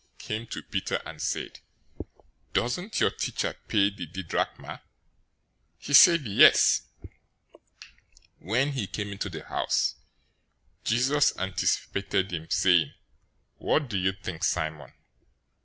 } came to Peter, and said, "Doesn't your teacher pay the didrachma?" 017:025 He said, "Yes." When he came into the house, Jesus anticipated him, saying, "What do you think, Simon?